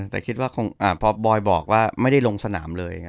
แต่คิดว่าพอบอยบอกว่าไม่ได้ลงสนามเลย